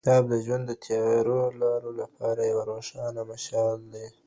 کتاب د ژوند د تيارو لارو لپاره يوه روښانه مشال دی.